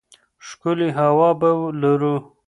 ښکلې هوا به ولرو.